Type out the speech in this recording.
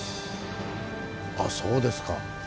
あそうですか。